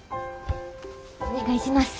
お願いします。